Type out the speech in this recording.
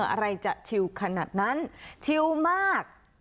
อะไรจะชิวขนาดนั้นชิวมาก